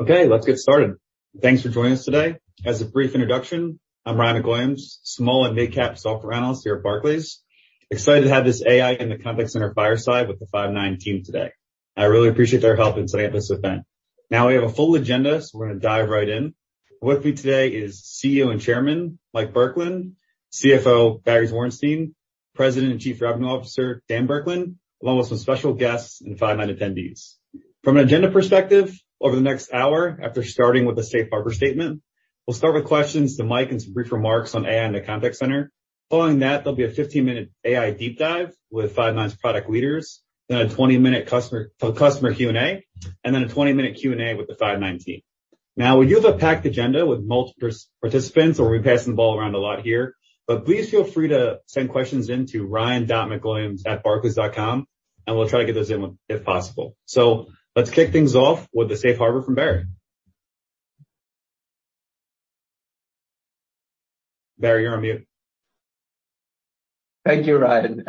Okay, let's get started. Thanks for joining us today. As a brief introduction, I'm Ryan MacWilliams, small and mid-cap software analyst here at Barclays. Excited to have this AI in the contact center fireside with the Five9 team today. I really appreciate their help in setting up this event. We have a full agenda, so we're gonna dive right in. With me today is CEO and Chairman, Mike Burkland, CFO, Barry Zwarenstein, President and Chief Revenue Officer, Dan Burkland, along with some special guests and Five9 attendees. From an agenda perspective, over the next hour, after starting with a safe harbor statement, we'll start with questions to Mike and some brief remarks on AI in the contact center. Following that, there'll be a 15-minute AI deep dive with Five9's product leaders, then a 20-minute customer Q&A, and then a 20-minute Q&A with the Five9 team. Now, we do have a packed agenda with multiple participants, so we'll be passing the ball around a lot here. Please feel free to send questions in to ryan.macwilliams@barclays.com, and we'll try to get those in if possible. Let's kick things off with the safe harbor from Barry. Barry, you're on mute. Thank you, Ryan.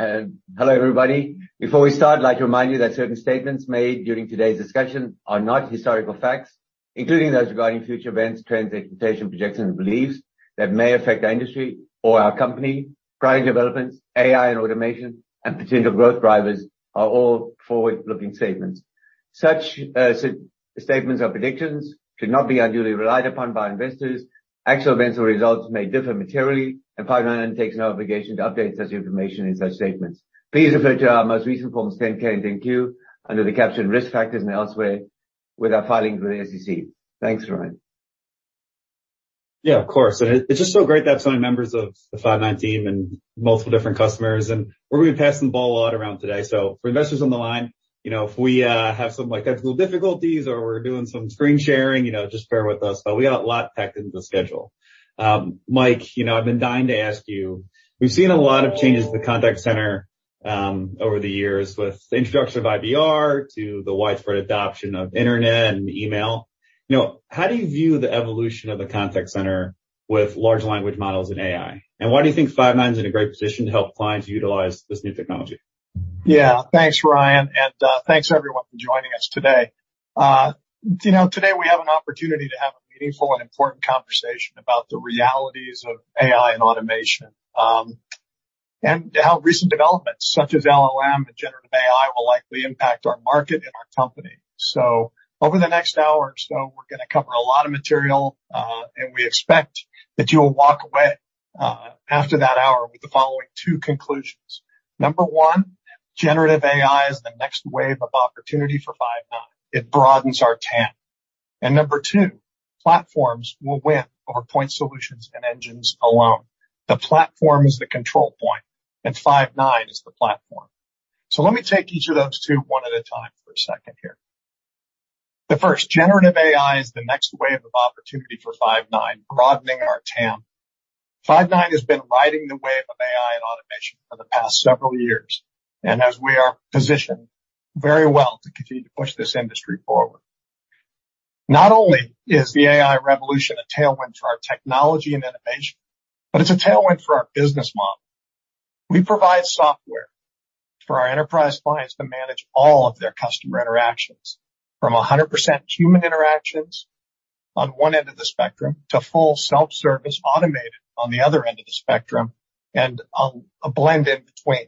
Hello, everybody. Before we start, I'd like to remind you that certain statements made during today's discussion are not historical facts, including those regarding future events, trends, expectations, projections, and beliefs that may affect our industry or our company. Product developments, AI and automation, and potential growth drivers are all forward-looking statements. Such statements or predictions should not be unduly relied upon by investors. Actual events or results may differ materially. Five9 takes no obligation to update such information in such statements. Please refer to our most recent Form 10-K and 10-Q under the caption Risk Factors and elsewhere with our filings with the SEC. Thanks, Ryan. Yeah, of course. It's just so great to have so many members of the Five9 team and multiple different customers, and we're gonna be passing the ball a lot around today. For investors on the line, you know, if we have some, like, technical difficulties or we're doing some screen sharing, you know, just bear with us, but we got a lot packed into the schedule. Mike, you know, I've been dying to ask you. We've seen a lot of changes to the contact center over the years with the introduction of IVR to the widespread adoption of internet and email. You know, how do you view the evolution of the contact center with large language models and AI? Why do you think Five9 is in a great position to help clients utilize this new technology? Yeah. Thanks, Ryan, and thanks, everyone, for joining us today. You know, today we have an opportunity to have a meaningful and important conversation about the realities of AI and automation, and how recent developments such as LLM and generative AI will likely impact our market and our company. Over the next hour or so, we're gonna cover a lot of material, and we expect that you'll walk away after that hour with the following two conclusions. Number one, generative AI is the next wave of opportunity for Five9. It broadens our TAM. Number two, platforms will win over point solutions and engines alone. The platform is the control point, and Five9 is the platform. Let me take each of those two, one at a time for a second here. The first, generative AI, is the next wave of opportunity for Five9, broadening our TAM. Five9 has been riding the wave of AI and automation for the past several years, and as we are positioned very well to continue to push this industry forward. Not only is the AI revolution a tailwind to our technology and innovation, but it's a tailwind for our business model. We provide software for our enterprise clients to manage all of their customer interactions, from 100% human interactions on one end of the spectrum, to full self-service automated on the other end of the spectrum, and a blend in between.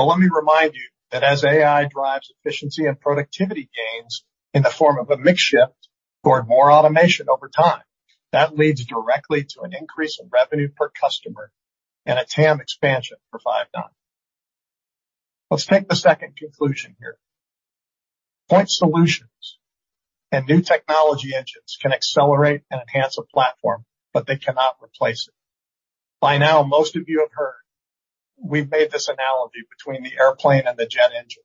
Let me remind you that as AI drives efficiency and productivity gains in the form of a mix shift toward more automation over time, that leads directly to an increase in revenue per customer and a TAM expansion for Five9. Let's take the second conclusion here. Point solutions and new technology engines can accelerate and enhance a platform, but they cannot replace it. By now, most of you have heard, we've made this analogy between the airplane and the jet engine.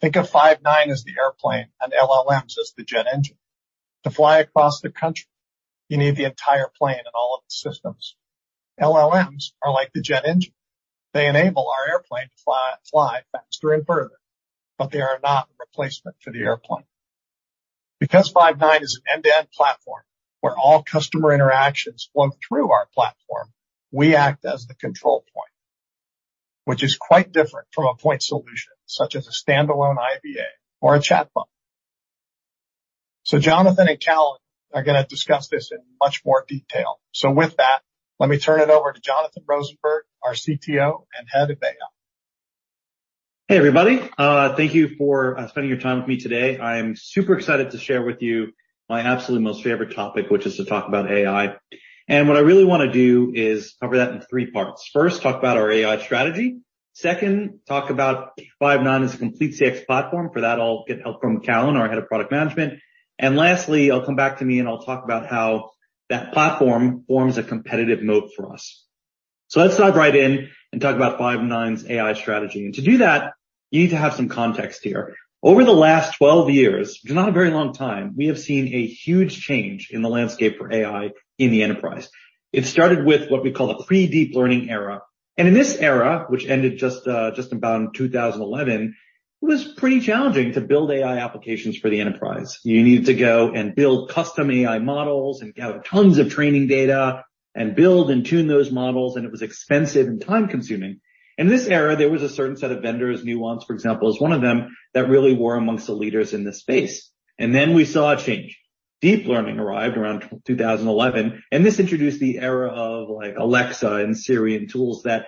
Think of Five9 as the airplane and LLMs as the jet engine. To fly across the country, you need the entire plane and all of its systems. LLMs are like the jet engine. They enable our airplane to fly faster and further, but they are not a replacement for the airplane. Because Five9 is an end-to-end platform, where all customer interactions flow through our platform, we act as the control point, which is quite different from a point solution, such as a standalone IVA or a chatbot. Jonathan and Callan are gonna discuss this in much more detail. With that, let me turn it over to Jonathan Rosenberg, our CTO and head of AI. Hey, everybody. Thank you for spending your time with me today. I'm super excited to share with you my absolute most favorite topic, which is to talk about AI. What I really wanna do is cover that in three parts. First, talk about our AI strategy. Second, talk about Five9 as a complete CX platform. For that, I'll get help from Callan, our Head of Product Management. Lastly, I'll come back to me, and I'll talk about how that platform forms a competitive moat for us. Let's dive right in and talk about Five9's AI strategy. To do that, you need to have some context here. Over the last 12 years, which is not a very long time, we have seen a huge change in the landscape for AI in the enterprise. It started with what we call the pre-deep learning era. In this era, which ended just about in 2011, it was pretty challenging to build AI applications for the enterprise. You needed to go and build custom AI models and gather tons of training data and build and tune those models, and it was expensive and time-consuming. In this era, there was a certain set of vendors, Nuance, for example, is one of them, that really were amongst the leaders in this space. We saw a change. Deep learning arrived around 2011, and this introduced the era of, like, Alexa and Siri tools that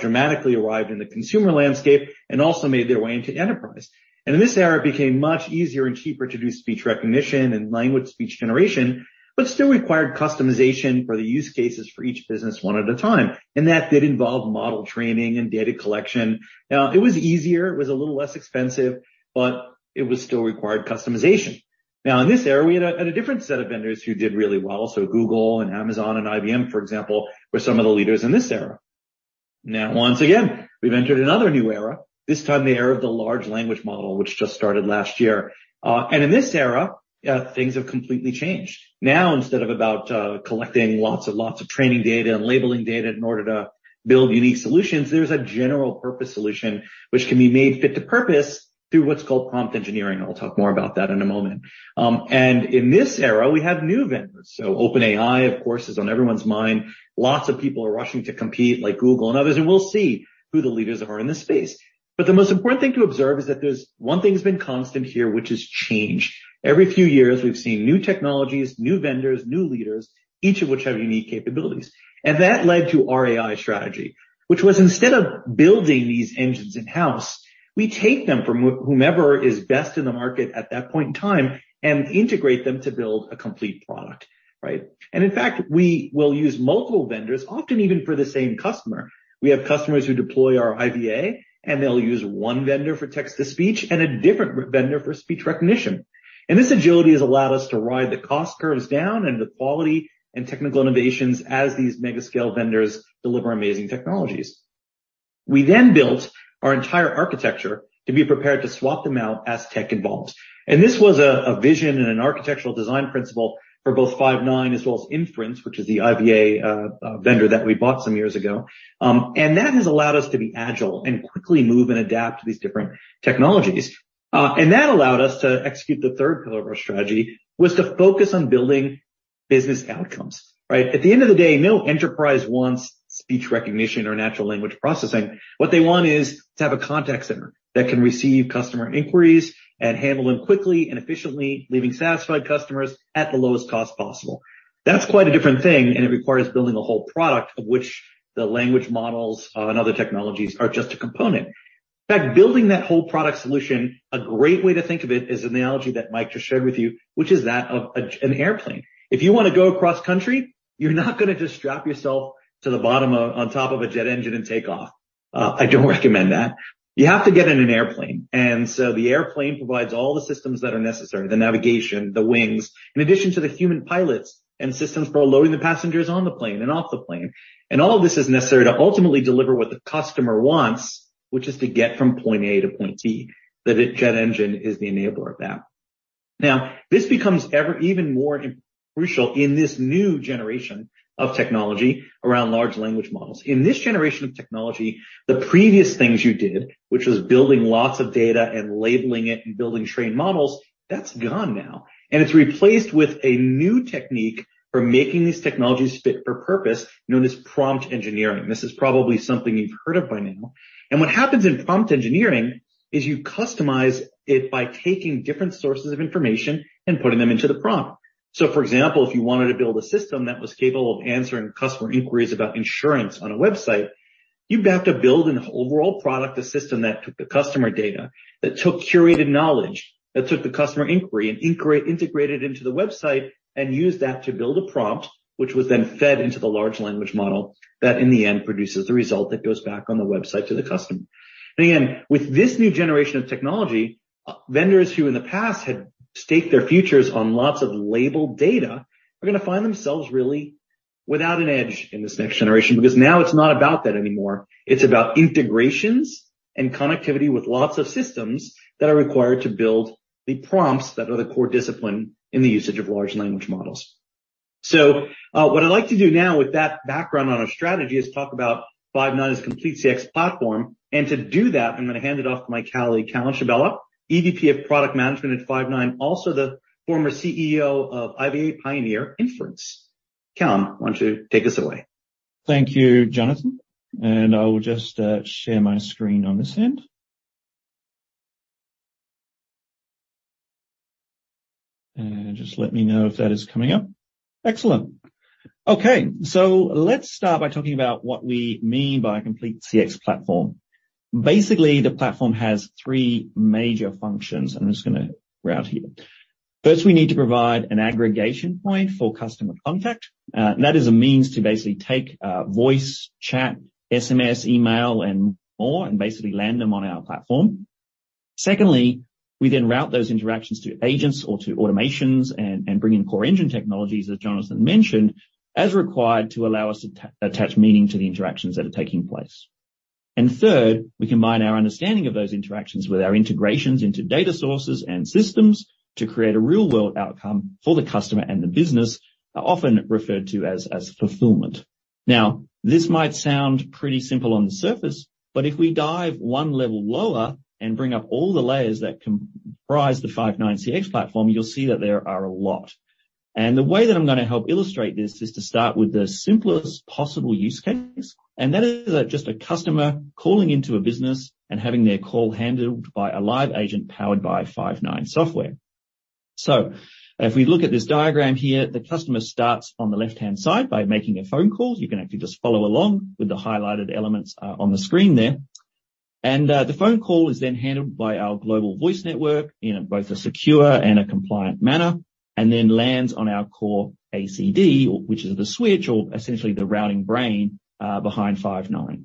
dramatically arrived in the consumer landscape and also made their way into enterprise. In this era, it became much easier and cheaper to do speech recognition and language speech generation, but still required customization for the use cases for each business, one at a time, and that did involve model training and data collection. It was easier, it was a little less expensive, but it was still required customization. In this era, we had a different set of vendors who did really well. Google and Amazon and IBM, for example, were some of the leaders in this era. Once again, we've entered another new era, this time the era of the large language model, which just started last year. In this era, things have completely changed. Now, instead of about collecting lots and lots of training data and labeling data in order to build unique solutions, there's a general purpose solution which can be made fit to purpose through what's called prompt engineering. I'll talk more about that in a moment. In this era, we have new vendors, so OpenAI, of course, is on everyone's mind. Lots of people are rushing to compete, like Google and others, and we'll see who the leaders are in this space. The most important thing to observe is that there's One thing has been constant here, which is change. Every few years, we've seen new technologies, new vendors, new leaders, each of which have unique capabilities. That led to our AI strategy, which was instead of building these engines in-house, we take them from whomever is best in the market at that point in time and integrate them to build a complete product, right? In fact, we will use multiple vendors, often even for the same customer. We have customers who deploy our IVA, and they'll use one vendor for text-to-speech and a different vendor for speech recognition. This agility has allowed us to ride the cost curves down and the quality and technical innovations as these mega scale vendors deliver amazing technologies. We then built our entire architecture to be prepared to swap them out as tech evolves. This was a vision and an architectural design principle for both Five9 as well as Inference, which is the IVA vendor that we bought some years ago. That has allowed us to be agile and quickly move and adapt to these different technologies. That allowed us to execute the third pillar of our strategy, was to focus on building business outcomes, right? At the end of the day, no enterprise wants speech recognition or natural language processing. What they want is to have a contact center that can receive customer inquiries and handle them quickly and efficiently, leaving satisfied customers at the lowest cost possible. That's quite a different thing, and it requires building a whole product, of which the language models, and other technologies are just a component. In fact, building that whole product solution, a great way to think of it is analogy that Mike just shared with you, which is that of an airplane. If you want to go across country, you're not gonna just strap yourself to on top of a jet engine and take off. I don't recommend that. You have to get in an airplane. The airplane provides all the systems that are necessary, the navigation, the wings, in addition to the human pilots and systems for loading the passengers on the plane and off the plane. All of this is necessary to ultimately deliver what the customer wants, which is to get from point A to point B. The jet engine is the enabler of that. This becomes ever even more crucial in this new generation of technology around large language models. In this generation of technology, the previous things you did, which was building lots of data and labeling it and building trained models, that's gone now, and it's replaced with a new technique for making these technologies fit for purpose known as prompt engineering. This is probably something you've heard of by now. What happens in prompt engineering is you customize it by taking different sources of information and putting them into the prompt. For example, if you wanted to build a system that was capable of answering customer inquiries about insurance on a website, you have to build an overall product, a system that took the customer data, that took curated knowledge, that took the customer inquiry, and integrated into the website, and used that to build a prompt, which was then fed into the large language model, that in the end, produces the result that goes back on the website to the customer. Again, with this new generation of technology, vendors who in the past had staked their futures on lots of labeled data, are gonna find themselves really without an edge in this next generation, because now it's not about that anymore. It's about integrations and connectivity with lots of systems that are required to build the prompts that are the core discipline in the usage of large language models. What I'd like to do now with that background on our strategy is talk about Five9's complete CX platform, and to do that, I'm gonna hand it off to my colleague, Callan Schebella, EVP of Product Management at Five9, also the former CEO of IVA Pioneer Inference. Callan, why don't you take this away? Thank you, Jonathan, I will just share my screen on this end. Just let me know if that is coming up. Excellent! Let's start by talking about what we mean by a complete CX platform. Basically, the platform has three major functions. I'm just gonna route here. First, we need to provide an aggregation point for customer contact, that is a means to basically take voice, chat, SMS, email, and more, and basically land them on our platform. Secondly, we then route those interactions to agents or to automations and bring in core engine technologies, as Jonathan mentioned, as required to allow us to attach meaning to the interactions that are taking place. Third, we combine our understanding of those interactions with our integrations into data sources and systems to create a real-world outcome for the customer, and the business are often referred to as fulfillment. This might sound pretty simple on the surface, but if we dive one level lower and bring up all the layers that comprise the Five9 CX platform, you'll see that there are a lot. The way that I'm going to help illustrate this is to start with the simplest possible use case, and that is just a customer calling into a business and having their call handled by a live agent powered by Five9 software. If we look at this diagram here, the customer starts on the left-hand side by making a phone call. You can actually just follow along with the highlighted elements on the screen there. The phone call is then handled by our global voice network in both a secure and a compliant manner, and then lands on our core ACD, which is the switch or essentially the routing brain behind Five9.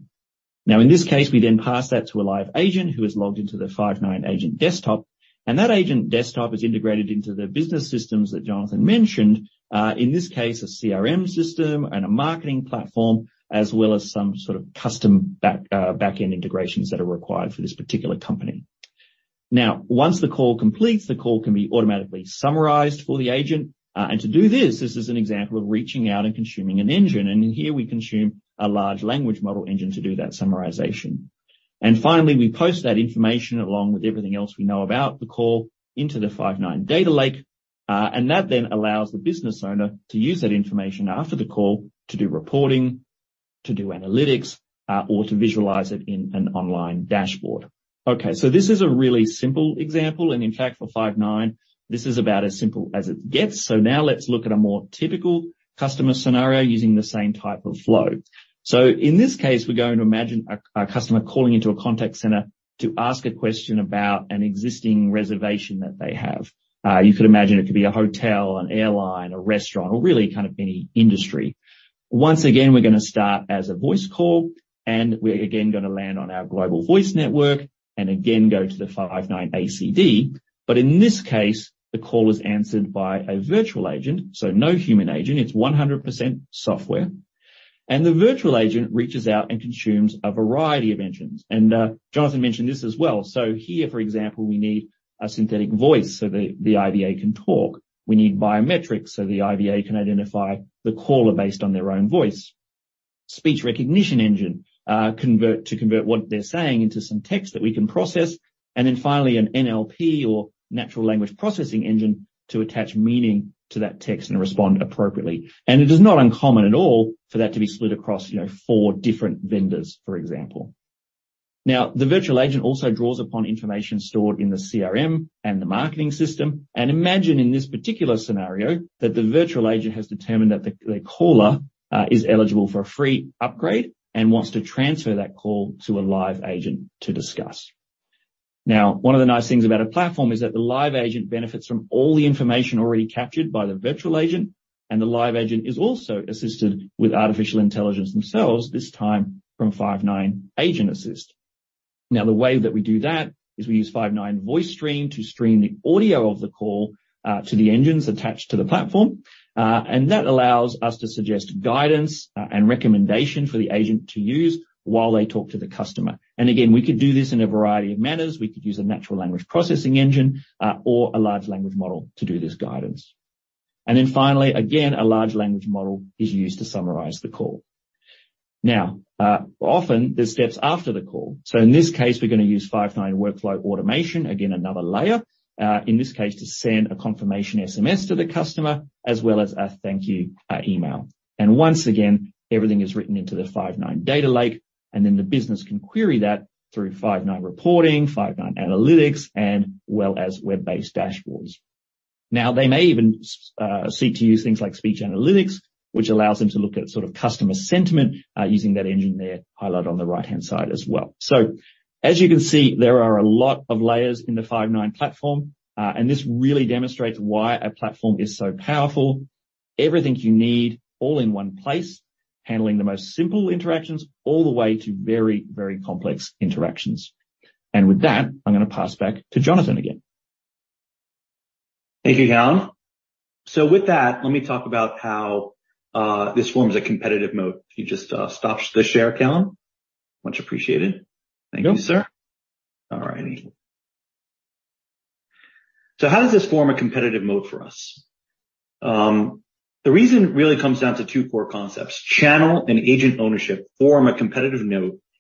In this case, we then pass that to a live agent who is logged into the Five9 Agent Desktop, and that Agent Desktop is integrated into the business systems that Jonathan mentioned. In this case, a CRM system and a marketing platform, as well as some sort of custom back-end integrations that are required for this particular company. Once the call completes, the call can be automatically summarized for the agent. To do this is an example of reaching out and consuming an engine. In here we consume a large language model engine to do that summarization. Finally, we post that information along with everything else we know about the call into the Five9 data lake. That allows the business owner to use that information after the call to do reporting, to do analytics, or to visualize it in an online dashboard. This is a really simple example, and in fact, for Five9, this is about as simple as it gets. Now let's look at a more typical customer scenario using the same type of flow. In this case, we're going to imagine a customer calling into a contact center to ask a question about an existing reservation that they have. You could imagine it could be a hotel, an airline, a restaurant, or really kind of any industry. Once again, we're going to start as a voice call, and we're again going to land on our global voice network and again go to the Five9 ACD. In this case, the call is answered by a virtual agent, so no human agent. It's 100% software, the virtual agent reaches out and consumes a variety of engines. Jonathan mentioned this as well. Here, for example, we need a synthetic voice so the IVA can talk. We need biometrics, so the IVA can identify the caller based on their own voice. Speech recognition engine, to convert what they're saying into some text that we can process, and then finally, an NLP or natural language processing engine to attach meaning to that text and respond appropriately. It is not uncommon at all for that to be split across, you know, four different vendors, for example. The virtual agent also draws upon information stored in the CRM and the marketing system. Imagine in this particular scenario that the virtual agent has determined that the caller is eligible for a free upgrade and wants to transfer that call to a live agent to discuss. One of the nice things about a platform is that the live agent benefits from all the information already captured by the virtual agent, and the live agent is also assisted with artificial intelligence themselves, this time from Five9 Agent Assist. The way that we do that is we use Five9 VoiceStream to stream the audio of the call to the engines attached to the platform. That allows us to suggest guidance and recommendation for the agent to use while they talk to the customer. Again, we could do this in a variety of manners. We could use a natural language processing engine or a large language model to do this guidance. Finally, again, a large language model is used to summarize the call. Often there's steps after the call. In this case, we're going to use Five9 Workflow Automation. Again, another layer, in this case, to send a confirmation SMS to the customer, as well as a thank you email. Once again, everything is written into the Five9 data lake, and then the business can query that through Five9 Reporting, Five9 Analytics, and well as web-based dashboards. They may even seek to use things like speech analytics, which allows them to look at sort of customer sentiment, using that engine there, highlighted on the right-hand side as well. As you can see, there are a lot of layers in the Five9 platform, this really demonstrates why our platform is so powerful. Everything you need all in one place, handling the most simple interactions, all the way to very complex interactions. With that, I'm going to pass back to Jonathan again. Thank you, Callan. With that, let me talk about how this forms a competitive mode. If you just stop the share, Callan. Much appreciated. Thank you, sir. All right. How does this form a competitive mode for us? The reason it really comes down to two core concepts, channel and agent ownership, form a competitive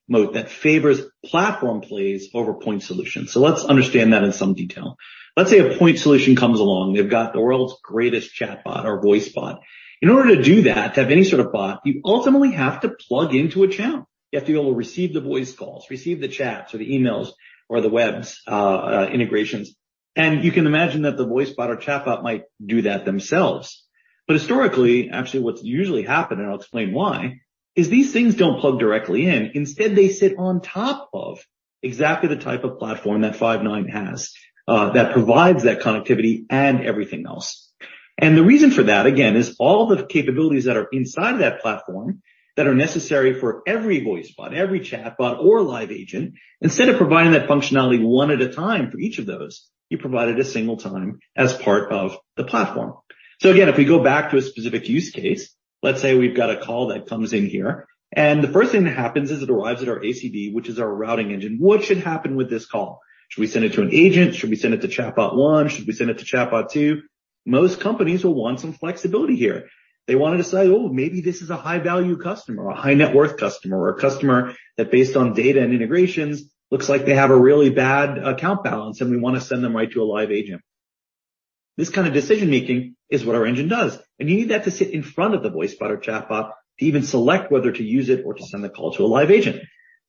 mode that favors platform plays over point solutions. Let's understand that in some detail. Let's say a point solution comes along. They've got the world's greatest chatbot or voice bot. In order to do that, to have any sort of bot, you ultimately have to plug into a channel. You have to be able to receive the voice calls, receive the chats, or the emails, or the webs integrations, and you can imagine that the voice bot or chatbot might do that themselves. Historically, actually, what's usually happened, and I'll explain why, is these things don't plug directly in. Instead, they sit on top of exactly the type of platform that Five9 has, that provides that connectivity and everything else. The reason for that, again, is all the capabilities that are inside that platform that are necessary for every voice bot, every chatbot or live agent, instead of providing that functionality one at a time for each of those, you provide it a single time as part of the platform. Again, if we go back to a specific use case, let's say we've got a call that comes in here, the first thing that happens is it arrives at our ACD, which is our routing engine. What should happen with this call? Should we send it to an agent? Should we send it to chatbot 1? Should we send it to chatbot 2? Most companies will want some flexibility here. They want to decide, "Oh, maybe this is a high-value customer, or a high-net worth customer, or a customer that, based on data and integrations, looks like they have a really bad account balance, and we want to send them right to a live agent." This kind of decision making is what our engine does, and you need that to sit in front of the voice bot or chatbot to even select whether to use it or to send the call to a live agent.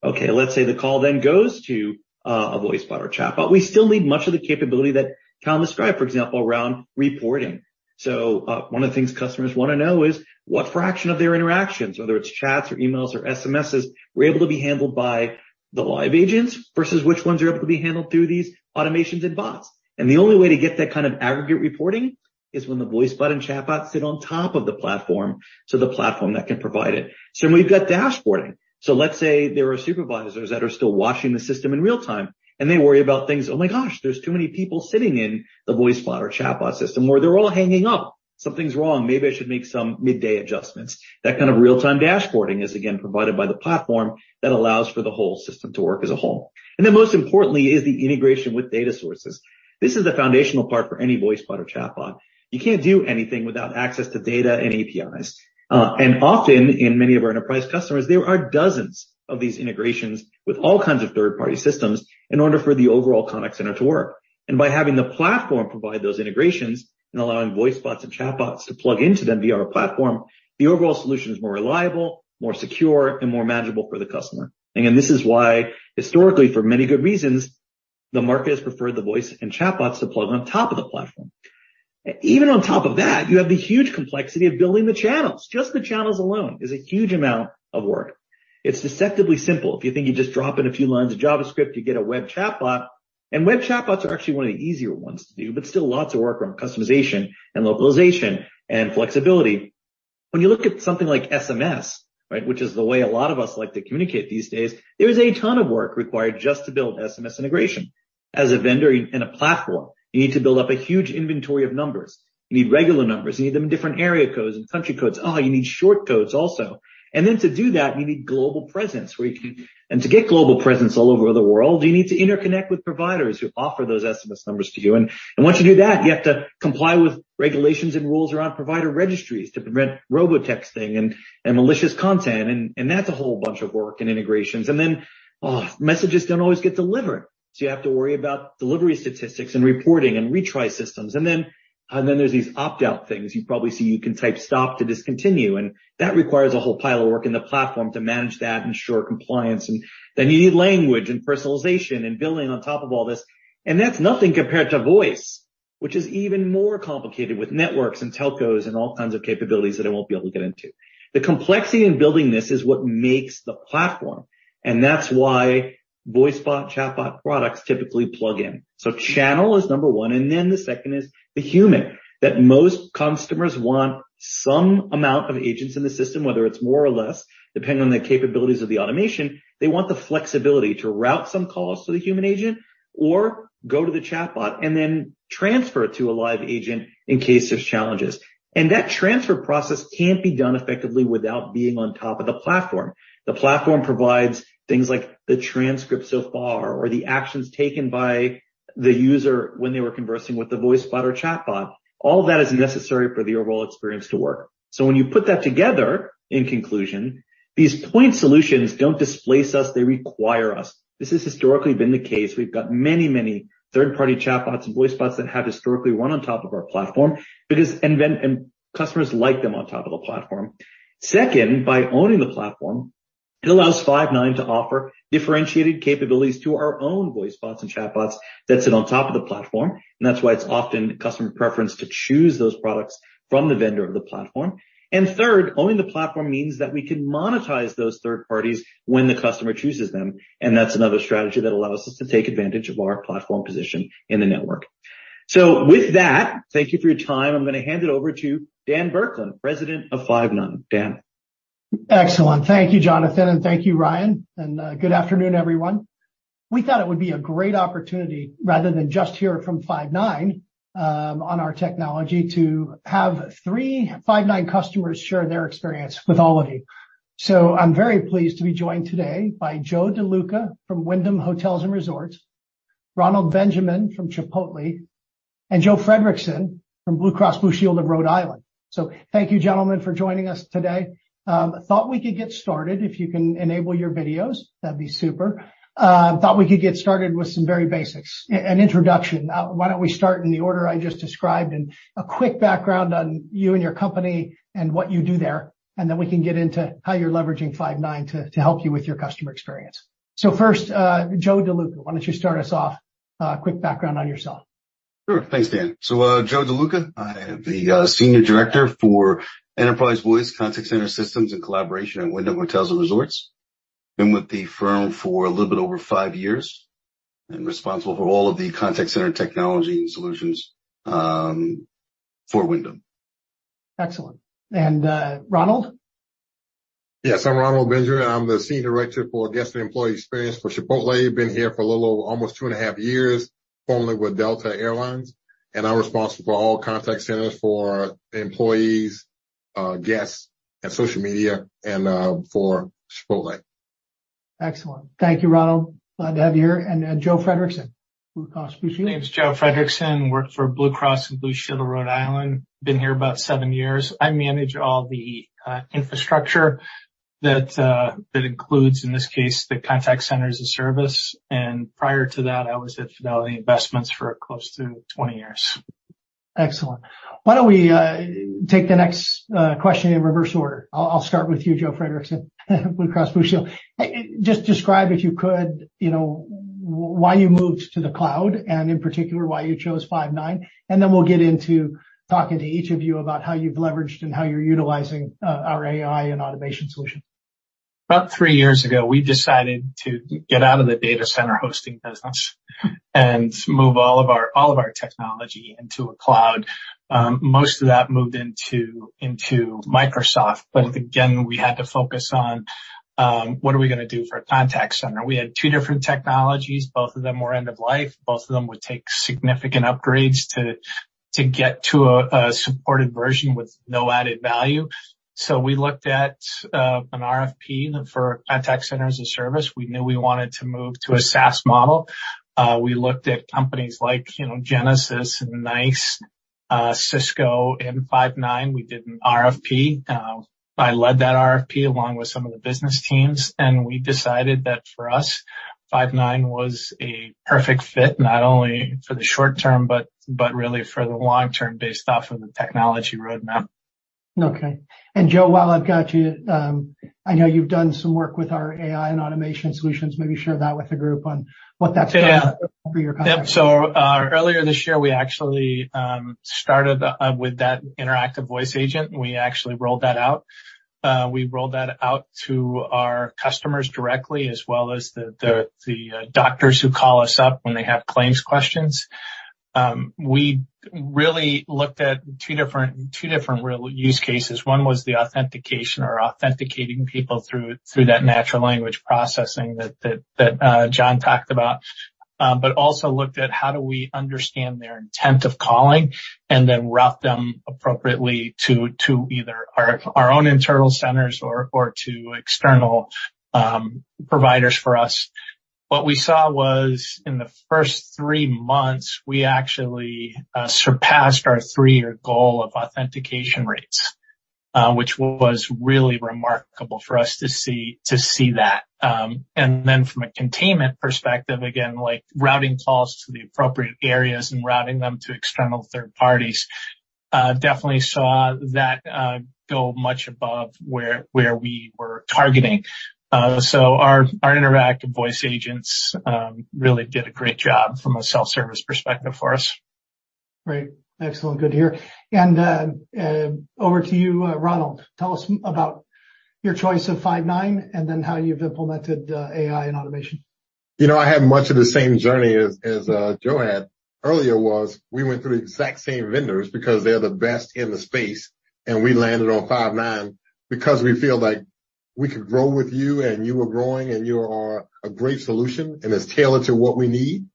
Let's say the call then goes to a voice bot or chatbot. We still need much of the capability that Tom described, for example, around reporting. One of the things customers wanna know is what fraction of their interactions, whether it's chats or emails or SMSs, were able to be handled by the live agents versus which ones are able to be handled through these automations and bots. The only way to get that kind of aggregate reporting is when the voice bot and chatbot sit on top of the platform, so the platform that can provide it. We've got dashboarding. Let's say there are supervisors that are still watching the system in real-time, and they worry about things. "Oh, my gosh, there's too many people sitting in the voice bot or chatbot system, or they're all hanging up. Something's wrong. Maybe I should make some midday adjustments." That kind of real-time dashboarding is again, provided by the platform that allows for the whole system to work as a whole. Most importantly is the integration with data sources. This is the foundational part for any voice bot or chatbot. You can't do anything without access to data and APIs. Often in many of our enterprise customers, there are dozens of these integrations with all kinds of third-party systems in order for the overall contact center to work. By having the platform provide those integrations and allowing voice bots and chatbots to plug into them via our platform, the overall solution is more reliable, more secure, and more manageable for the customer. Again, this is why, historically, for many good reasons, the market has preferred the voice and chatbots to plug on top of the platform. On top of that, you have the huge complexity of building the channels. Just the channels alone is a huge amount of work. It's deceptively simple. If you think you just drop in a few lines of JavaScript, you get a web chatbot, and web chatbots are actually one of the easier ones to do, but still lots of work around customization and localization and flexibility. When you look at something like SMS, right? Which is the way a lot of us like to communicate these days, there is a ton of work required just to build SMS integration. As a vendor and a platform, you need to build up a huge inventory of numbers. You need regular numbers. You need them in different area codes and country codes. Oh, you need short codes also. To do that, you need global presence. To get global presence all over the world, you need to interconnect with providers who offer those SMS numbers to you. Once you do that, you have to comply with regulations and rules around provider registries to prevent robo-texting and malicious content, and that's a whole bunch of work and integrations. Messages don't always get delivered, so you have to worry about delivery statistics and reporting and retry systems. There's these opt-out things. You probably see, "You can type stop to discontinue," and that requires a whole pile of work in the platform to manage that ensure compliance. You need language and personalization and billing on top of all this, and that's nothing compared to voice, which is even more complicated with networks and telcos and all kinds of capabilities that I won't be able to get into. The complexity in building this is what makes the platform, and that's why voice bot, chatbot products typically plug in. Channel is number one, the second is the human. That most customers want some amount of agents in the system, whether it's more or less, depending on the capabilities of the automation, they want the flexibility to route some calls to the human agent or go to the chatbot and then transfer it to a live agent in case there's challenges. That transfer process can't be done effectively without being on top of the platform. The platform provides things like the transcript so far, or the actions taken by the user when they were conversing with the voice bot or chatbot. All that is necessary for the overall experience to work. When you put that together, in conclusion, these point solutions don't displace us, they require us. This has historically been the case. We've got many third-party chatbots and voice bots that have historically run on top of our platform because. Customers like them on top of the platform. Second, by owning the platform, it allows Five9 to offer differentiated capabilities to our own voice bots and chatbots that sit on top of the platform, and that's why it's often customer preference to choose those products from the vendor of the platform. Third, owning the platform means that we can monetize those third parties when the customer chooses them, and that's another strategy that allows us to take advantage of our platform position in the network. With that, thank you for your time. I'm gonna hand it over to Dan Burkland, President of Five9. Dan? Excellent. Thank you, Jonathan, and thank you, Ryan, and good afternoon, everyone. We thought it would be a great opportunity, rather than just hear from Five9, on our technology, to have three Five9 customers share their experience with all of you. I'm very pleased to be joined today by Joe DeLuca from Wyndham Hotels & Resorts, Ronald Benjamin from Chipotle, and Joe Friedrichsen from Blue Cross & Blue Shield of Rhode Island. Thank you, gentlemen, for joining us today. I thought we could get started. If you can enable your videos, that'd be super. I thought we could get started with some very basics, an introduction. Why don't we start in the order I just described and a quick background on you and your company and what you do there, and then we can get into how you're leveraging Five9 to help you with your customer experience. First, Joe De Luca, why don't you start us off? Quick background on yourself. Sure. Thanks, Dan. Joe DeLuca, I am the senior director for Enterprise Voice Contact Center Systems and Collaboration at Wyndham Hotels & Resorts. Been with the firm for a little bit over five years and responsible for all of the contact center technology and solutions for Wyndham. Excellent. Ronald? Yes, I'm Ronald Benjamin. I'm the Senior Director for guest and employee experience for Chipotle. Been here for a little over almost 2.5 years, formerly with Delta Air Lines, and I'm responsible for all contact centers for employees, guests, and social media for Chipotle. Excellent. Thank you, Ronald. Glad to have you here. Joe Friedrichsen, Blue Cross Blue Shield. My name is Joe Friedrichsen, worked for Blue Cross & Blue Shield of Rhode Island. Been here about seven years. I manage all the infrastructure.... that includes, in this case, the contact center as a service, and prior to that, I was at Fidelity Investments for close to 20 years. Excellent. Why don't we take the next question in reverse order? I'll start with you, Joe Friedrichsen, Blue Cross Blue Shield. Just describe, if you could, you know, why you moved to the cloud, and in particular, why you chose Five9. We'll get into talking to each of you about how you've leveraged and how you're utilizing, our AI and automation solution. About three years ago, we decided to get out of the data center hosting business and move all of our technology into a cloud. Most of that moved into Microsoft, again, we had to focus on what are we gonna do for a contact center? We had two different technologies. Both of them were end of life. Both of them would take significant upgrades to get to a supported version with no added value. We looked at an RFP for contact center as a service. We knew we wanted to move to a SaaS model. We looked at companies like Genesys and NICE, Cisco, and Five9. We did an RFP. I led that RFP along with some of the business teams, and we decided that for us, Five9 was a perfect fit, not only for the short term, but really for the long term, based off of the technology roadmap. Okay. Joe, while I've got you, I know you've done some work with our AI and automation solutions. Maybe share that with the group on what that's done. Yeah. For your company. Yep, earlier this year, we actually started with that interactive voice agent, and we actually rolled that out. We rolled that out to our customers directly, as well as the doctors who call us up when they have claims questions. We really looked at two different real use cases. One was the authentication or authenticating people through that natural language processing that John talked about. Also looked at how do we understand their intent of calling, and then route them appropriately to either our own internal centers or to external providers for us. What we saw was, in the first three months, we actually surpassed our three-year goal of authentication rates, which was really remarkable for us to see that. Then from a containment perspective, again, like, routing calls to the appropriate areas and routing them to external third parties, definitely saw that go much above where we were targeting. Our interactive voice agents really did a great job from a self-service perspective for us. Great. Excellent. Good to hear. Over to you, Ronald. Tell us about your choice of Five9, and then how you've implemented AI and automation. You know, I had much of the same journey as Joe had. Earlier, we went through the exact same vendors because they're the best in the space. We landed on Five9 because we feel like we could grow with you. You were growing, you are a great solution, and it's tailored to what we need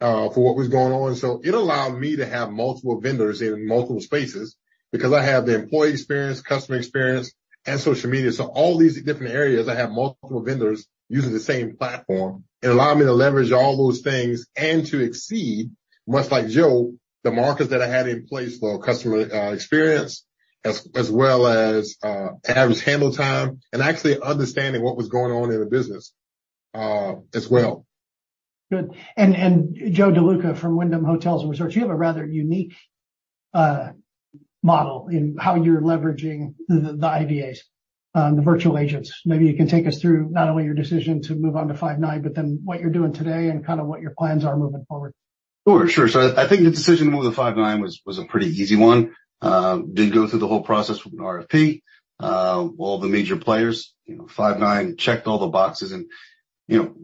for what was going on. It allowed me to have multiple vendors in multiple spaces, because I have the employee experience, customer experience, and social media. All these different areas, I have multiple vendors using the same platform. It allowed me to leverage all those things and to exceed, much like Joe, the markers that I had in place for customer experience, as well as average handle time, and actually understanding what was going on in the business as well. Good. Joe DeLuca from Wyndham Hotels & Resorts, you have a rather unique model in how you're leveraging the IVAs, the virtual agents. Maybe you can take us through not only your decision to move on to Five9, but then what you're doing today and kind of what your plans are moving forward. Sure, sure. I think the decision to move to Five9 was a pretty easy one. Did go through the whole process with an RFP. All the major players, you know, Five9 checked all the boxes. You know,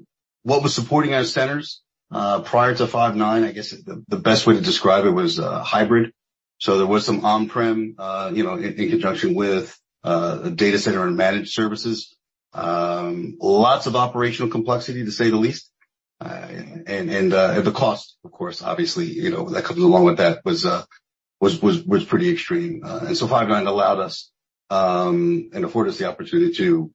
what was supporting our centers prior to Five9, I guess the best way to describe it was hybrid. There was some on-prem, you know, in conjunction with a data center and managed services. Lots of operational complexity, to say the least. The cost, of course, obviously, you know, that comes along with that, was pretty extreme. Five9 allowed us and afforded us the opportunity to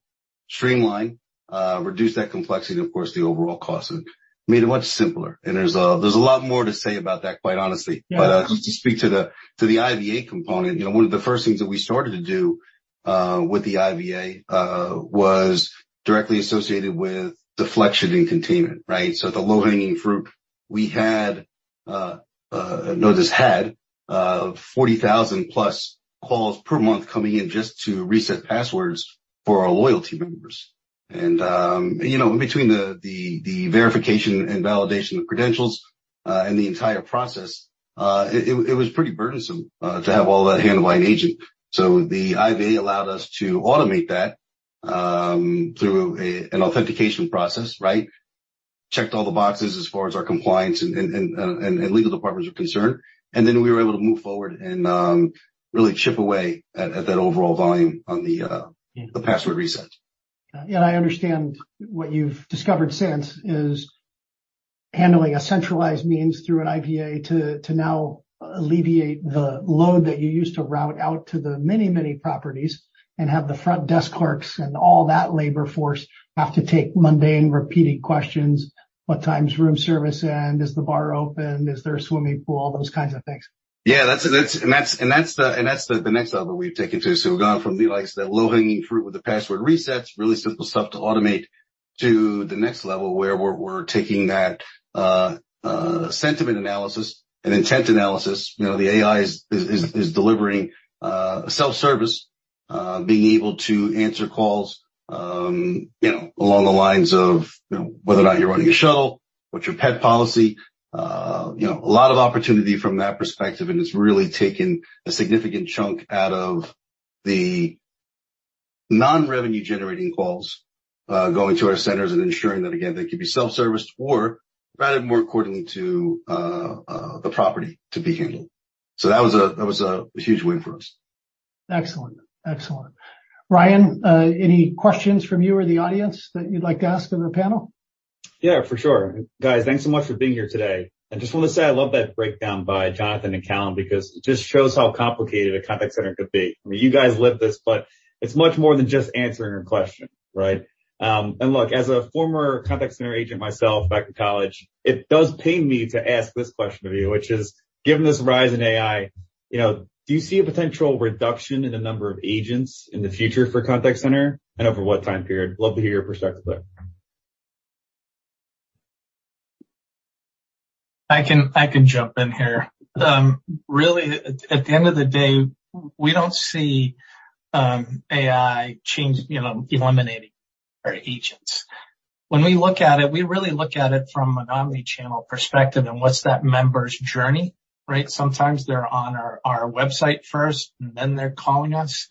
streamline, reduce that complexity, and of course, the overall cost and made it much simpler. There's a lot more to say about that, quite honestly. Yeah. Just to speak to the IVA component, you know, one of the first things that we started to do with the IVA was directly associated with deflection and containment, right? The low-hanging fruit, we had notice had 40,000+ calls per month coming in just to reset passwords for our loyalty members. You know, between the verification and validation of credentials and the entire process, it was pretty burdensome to have all that handled by an agent. The IVA allowed us to automate that through an authentication process, right? Checked all the boxes as far as our compliance and legal departments were concerned, and then we were able to move forward and really chip away at that overall volume on the. Yeah the password reset. Yeah, and I understand what you've discovered since is handling a centralized means through an IVA to now alleviate the load that you used to route out to the many, many properties and have the front desk clerks and all that labor force have to take mundane, repeating questions. What time is room service end? Is the bar open? Is there a swimming pool? Those kinds of things. Yeah, that's and that's the next level we've taken to. We've gone from the, like, say, the low-hanging fruit with the password resets, really simple stuff to automate, to the next level, where we're taking that sentiment analysis and intent analysis. You know, the AI is delivering self-service, being able to answer calls, you know, along the lines of, you know, whether or not you're running a shuttle, what's your pet policy? You know, a lot of opportunity from that perspective, and it's really taken a significant chunk out of the non-revenue generating calls going to our centers and ensuring that, again, they can be self-serviced or routed more accordingly to the property to be handled. That was a huge win for us. Excellent. Ryan, any questions from you or the audience that you'd like to ask in the panel? Yeah, for sure. Guys, thanks so much for being here today. I just want to say I love that breakdown by Jonathan and Callan, because it just shows how complicated a contact center could be. I mean, you guys live this, but it's much more than just answering a question, right? Look, as a former contact center agent myself back in college, it does pain me to ask this question of you, which is: Given this rise in AI, you know, do you see a potential reduction in the number of agents in the future for contact center, and over what time period? Love to hear your perspective. I can jump in here. Really, at the end of the day, we don't see AI change, you know, eliminating our agents. When we look at it, we really look at it from an omnichannel perspective and what's that member's journey, right? Sometimes they're on our website first, and then they're calling us.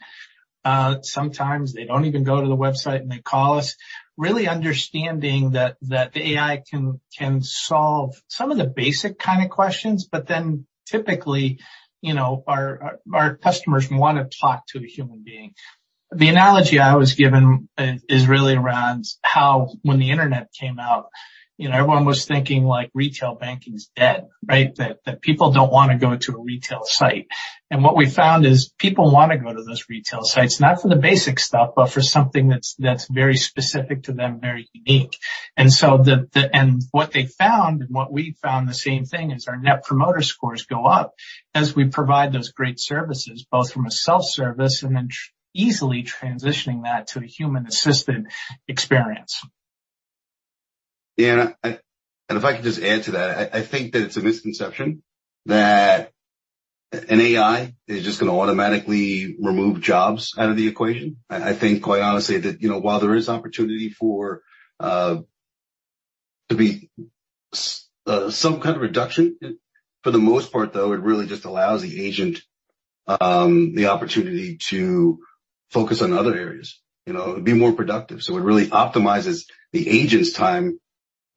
Sometimes they don't even go to the website, and they call us. Really understanding that the AI can solve some of the basic kind of questions, but then typically, you know, our customers want to talk to a human being. The analogy I was given is really around how when the internet came out, you know, everyone was thinking, like, retail banking is dead, right? That people don't wanna go to a retail site. What we found is people wanna go to those retail sites, not for the basic stuff, but for something that's very specific to them, very unique. The... And what they found, and what we found the same thing, is our Net Promoter Scores go up as we provide those great services, both from a self-service and then easily transitioning that to a human-assisted experience. If I could just add to that, I think that it's a misconception that an AI is just gonna automatically remove jobs out of the equation. I think, quite honestly, that, you know, while there is opportunity for to be some kind of reduction, for the most part, though, it really just allows the agent, the opportunity to focus on other areas. You know, be more productive. It really optimizes the agent's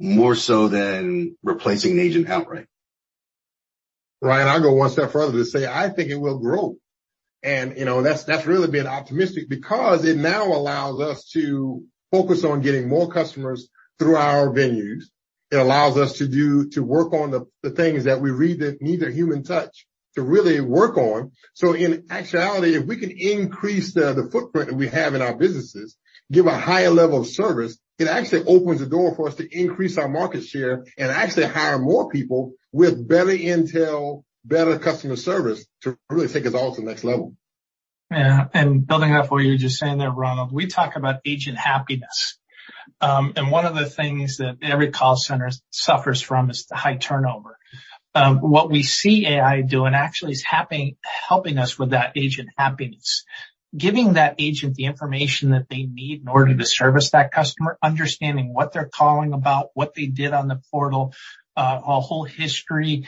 time more so than replacing an agent outright. Ryan, I'll go one step further to say I think it will grow. You know, that's really being optimistic because it now allows us to focus on getting more customers through our venues. It allows us to work on the things that we read that need a human touch to really work on. In actuality, if we can increase the footprint that we have in our businesses, give a higher level of service, it actually opens the door for us to increase our market share and actually hire more people with better intel, better customer service, to really take us all to the next level. Building off what you were just saying there, Ronald, we talk about agent happiness. One of the things that every call center suffers from is the high turnover. What we see AI doing actually is helping us with that agent happiness. Giving that agent the information that they need in order to service that customer, understanding what they're calling about, what they did on the portal, a whole history,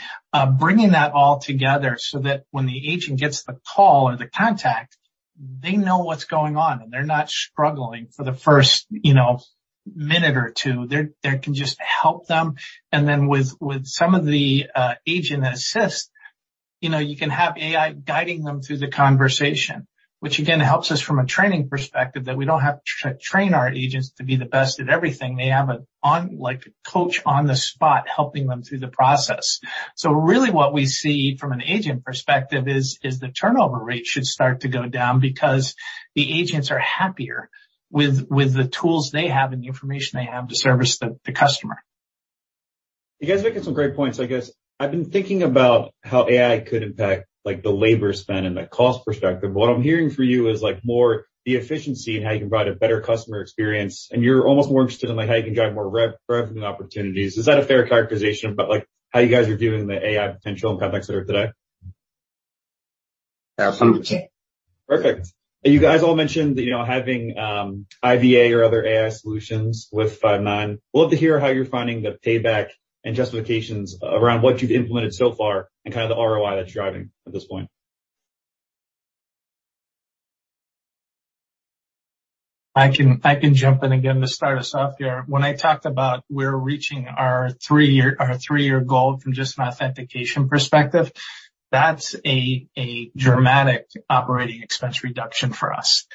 bringing that all together so that when the agent gets the call or the contact, they know what's going on, and they're not struggling for the first, you know, minute or two. That can just help them, then with some of the Agent Assist, you know, you can have AI guiding them through the conversation, which again, helps us from a training perspective, that we don't have to train our agents to be the best at everything. They have, like, a coach on the spot, helping them through the process. Really, what we see from an agent perspective is the turnover rate should start to go down because the agents are happier with the tools they have and the information they have to service the customer. You guys are making some great points, I guess. I've been thinking about how AI could impact, like, the labor spend and the cost perspective. What I'm hearing from you is, like, more the efficiency and how you can provide a better customer experience. You're almost more interested in, like, how you can drive more revenue opportunities. Is that a fair characterization about, like, how you guys are viewing the AI potential in contact center today? Yeah, 100%. Perfect. You guys all mentioned, you know, having IVA or other AI solutions with Five9. Would love to hear how you're finding the payback and justifications around what you've implemented so far and kind of the ROI that's driving at this point. I can jump in again to start us off here. When I talked about we're reaching our three-year goal from just an authentication perspective, that's a dramatic operating expense reduction for us.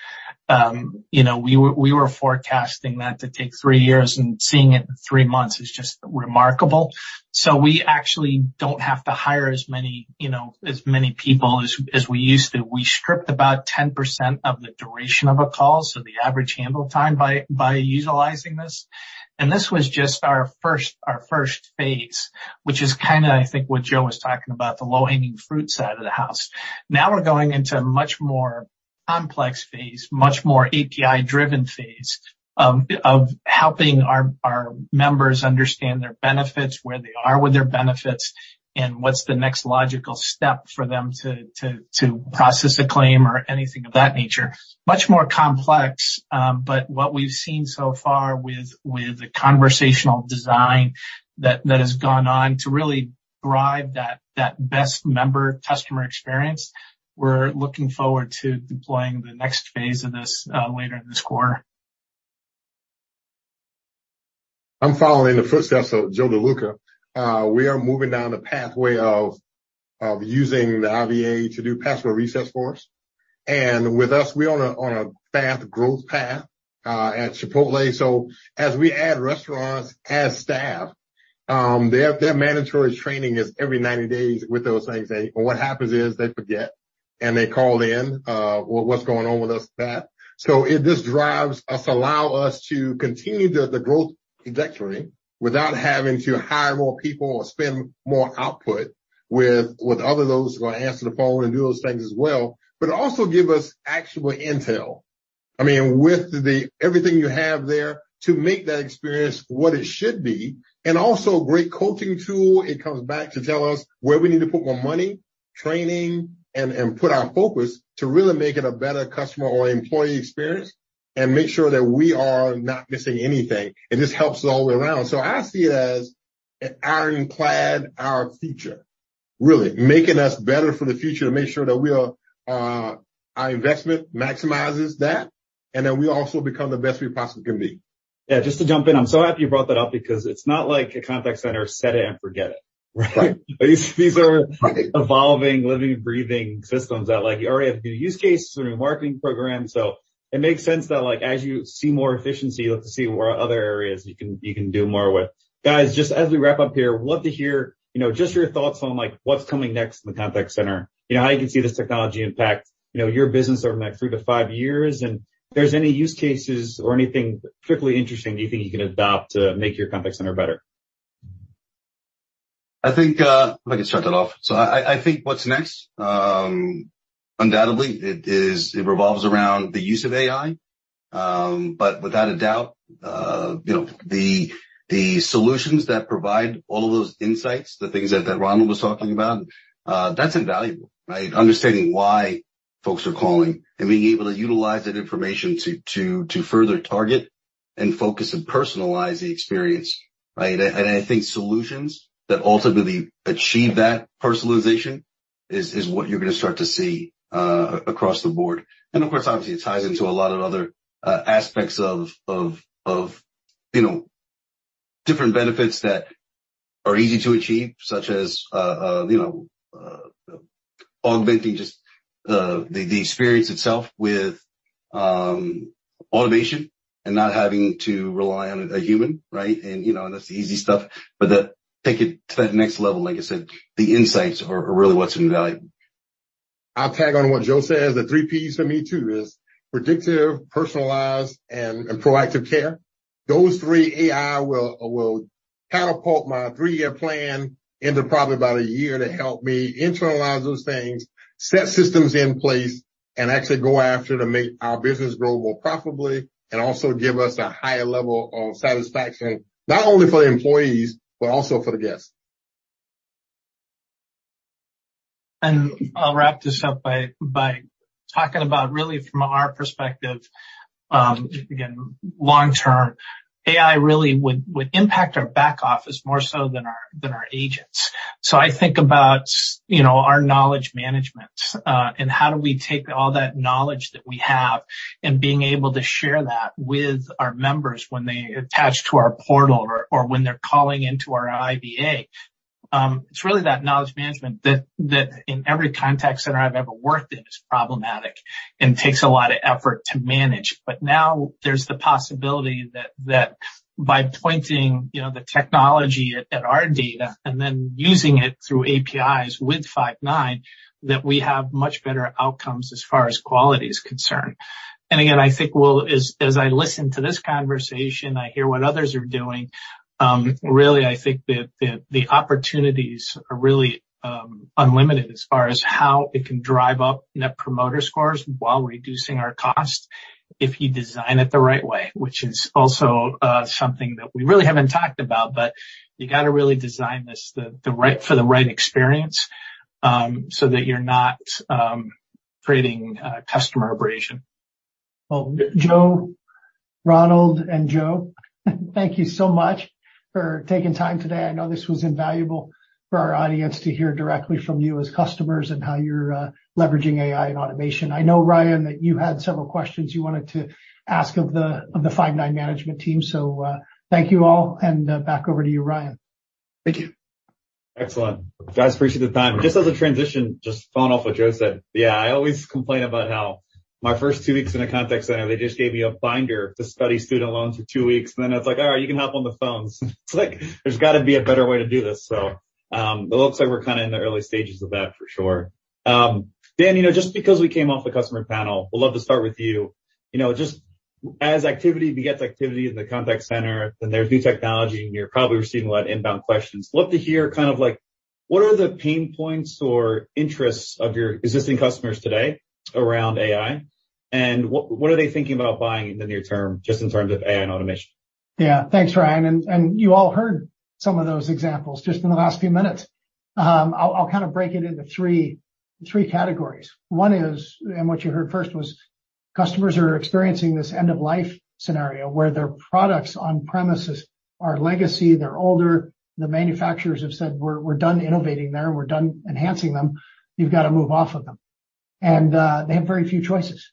You know, we were forecasting that to take three years, seeing it in three months is just remarkable. We actually don't have to hire as many people as we used to. We stripped about 10% of the duration of a call, so the average handle time, by utilizing this, and this was just our first phase, which is kind of, I think, what Joe was talking about, the low-hanging fruit side of the house. Now we're going into a much more- complex phase, much more API-driven phase of helping our members understand their benefits, where they are with their benefits, and what's the next logical step for them to process a claim or anything of that nature. Much more complex, but what we've seen so far with the conversational design that has gone on to really drive that best member customer experience, we're looking forward to deploying the next phase of this later this quarter. I'm following in the footsteps of Joe DeLuca. We are moving down the pathway of using the IVA to do password resets for us. With us, we're on a path, growth path, at Chipotle. As we add restaurants, add staff, their mandatory training is every 90 days with those things. What happens is, they forget, and they call in, "Well, what's going on with this and that?" It just drives us, allow us to continue the growth trajectory without having to hire more people or spend more output with other of those who are gonna answer the phone and do those things as well, but also give us actual intel. I mean, with the everything you have there to make that experience what it should be, also a great coaching tool, it comes back to tell us where we need to put more money, training, and put our focus to really make it a better customer or employee experience. Make sure that we are not missing anything. It just helps us all the way around. I see it as an ironclad, our future, really. Making us better for the future to make sure that we are, our investment maximizes that, then we also become the best we possibly can be. Just to jump in, I'm so happy you brought that up because it's not like a contact center, set it and forget it, right? Right. These are evolving, living, breathing systems that, like, you already have new use cases and new marketing programs. It makes sense that, like, as you see more efficiency, look to see where other areas you can do more with. Guys, just as we wrap up here, love to hear, you know, just your thoughts on, like, what's coming next in the contact center. You know, how you can see this technology impact, you know, your business over the next three to five years, and if there's any use cases or anything particularly interesting that you think you can adopt to make your contact center better. I think, if I could start that off. I think what's next, undoubtedly it revolves around the use of AI. Without a doubt, you know, the solutions that provide all of those insights, the things that Ronald was talking about, that's invaluable, right? Understanding why folks are calling and being able to utilize that information to further target and focus and personalize the experience, right? I think solutions that ultimately achieve that personalization is what you're gonna start to see across the board. Of course, obviously, it ties into a lot of other aspects of, you know, different benefits that are easy to achieve, such as, you know, augmenting just the experience itself with automation and not having to rely on a human, right? You know, that's the easy stuff. Take it to that next level, like I said, the insights are really what's invaluable. I'll tag on what Joe said. The three Ps for me, too, is predictive, personalized, and proactive care. Those three AI will catapult my three-year plan into probably about a year to help me internalize those things, set systems in place, and actually go after to make our business grow more profitably, and also give us a higher level of satisfaction, not only for the employees, but also for the guests. I'll wrap this up by talking about, really from our perspective, again, long term, AI really would impact our back office more so than our agents. I think about, you know, our knowledge management, and how do we take all that knowledge that we have, and being able to share that with our members when they attach to our portal or when they're calling into our IVA. It's really that knowledge management that in every contact center I've ever worked in is problematic and takes a lot of effort to manage. Now there's the possibility that by pointing, you know, the technology at our data and then using it through APIs with Five9, that we have much better outcomes as far as quality is concerned. Again, I think we'll... As I listen to this conversation, I hear what others are doing, really, I think that the opportunities are really unlimited as far as how it can drive up Net Promoter Scores while reducing our costs, if you design it the right way. Which is also something that we really haven't talked about, but you gotta really design this for the right experience, so that you're not creating customer abrasion. Well, Joe, Ronald, and Joe, thank you so much for taking time today. I know this was invaluable for our audience to hear directly from you as customers and how you're leveraging AI and automation. I know, Ryan, that you had several questions you wanted to ask of the Five9 management team. Thank you all, and back over to you, Ryan. Thank you. Excellent. Guys, appreciate the time. Just as a transition, just following off what Joe said, yeah, I always complain about how my first two weeks in a contact center, they just gave me a binder to study student loans for two weeks, and then it's like, "All right, you can hop on the phones." It's like, there's got to be a better way to do this. Dan, you know, just because we came off the customer panel, would love to start with you. You know, just as activity begets activity in the contact center, and there's new technology, and you're probably receiving a lot of inbound questions, love to hear kind of like, what are the pain points or interests of your existing customers today around AI? What are they thinking about buying in the near term, just in terms of AI and automation? Yeah. Thanks, Ryan. You all heard some of those examples just in the last few minutes. I'll kind of break it into three categories. One is, and what you heard first, was customers are experiencing this end-of-life scenario where their products on-premises are legacy, they're older, the manufacturers have said, "We're done innovating there. We're done enhancing them. You've got to move off of them." They have very few choices.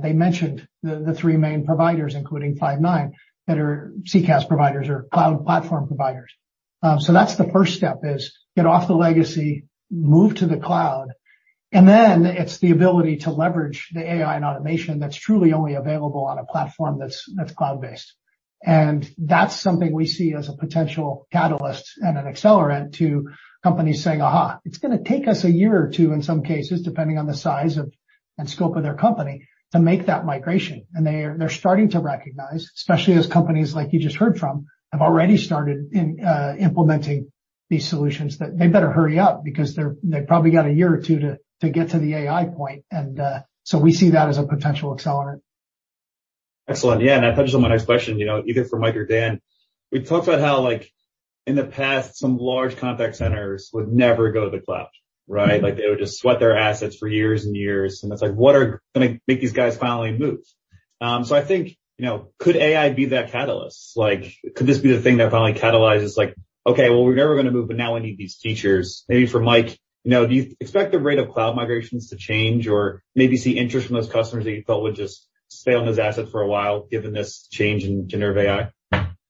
They mentioned the three main providers, including Five9, that are CCaaS providers or cloud platform providers. That's the first step is get off the legacy, move to the cloud, then it's the ability to leverage the AI and automation that's truly only available on a platform that's cloud-based. That's something we see as a potential catalyst and an accelerant to companies saying, "Aha!" It's gonna take us a year or two, in some cases, depending on the size of and scope of their company, to make that migration. They're starting to recognize, especially as companies like you just heard from, have already started in implementing these solutions, that they better hurry up because they've probably got a year or two to get to the AI point. So we see that as a potential accelerant. Excellent. Yeah, that touches on my next question, you know, either from Mike or Dan. We talked about how, like, in the past, some large contact centers would never go to the cloud, right? Like, they would just sweat their assets for years and years, it's like, what are gonna make these guys finally move? I think, you know, could AI be that catalyst? Like, could this be the thing that finally catalyzes, like, "Okay, well, we're never gonna move, but now we need these features." Maybe for Mike, you know, do you expect the rate of cloud migrations to change or maybe see interest from those customers that you thought would just stay on those assets for a while, given this change in generative AI? Yeah,